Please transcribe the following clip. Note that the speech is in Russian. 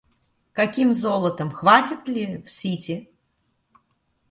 Каким золотом — хватит ли в Сити?!